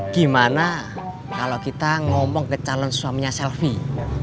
gimana kalau kita ngomong ke calon suaminya selfie